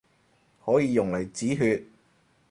可以用嚟止血